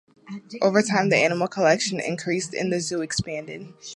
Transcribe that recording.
Over time the animal collection increased and the zoo expanded.